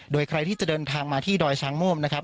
โดยใครที่จะเดินทางมาที่ดอยช้างโม่มนะครับ